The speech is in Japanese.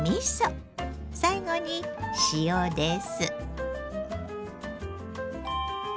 最後に塩です。